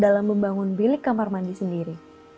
dalam membangun bilik kamar mandi sendiri